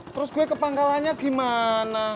terus gue ke pangkalannya gimana